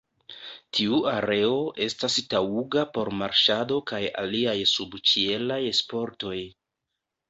Tiu areo estas taŭga por marŝado kaj aliaj subĉielaj sportoj.